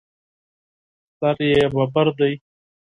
سر یې ببر دی.